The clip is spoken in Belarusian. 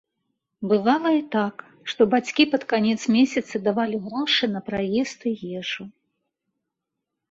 Бывала і так, што бацькі пад канец месяца давалі грошы на праезд і ежу.